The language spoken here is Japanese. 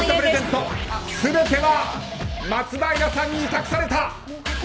全ては松平さんに託された！